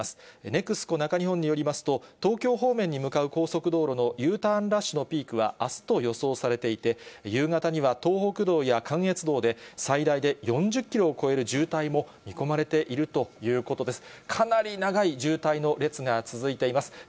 ネクスコ中日本によりますと、東京方面に向かう高速道路のＵターンラッシュのピークはあすと予想されていて、夕方には東北道や関越道で、最大で４０キロを超える渋滞も見込まれているということです。